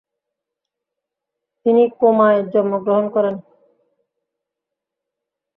তিনি কোমোয় জন্মগ্রহণ করেন।